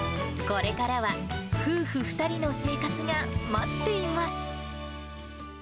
これからは夫婦２人の生活が待っています。